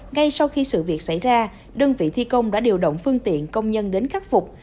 ngay sau khi sự việc xảy ra đơn vị thi công đã điều động phương tiện công nhân đến khắc phục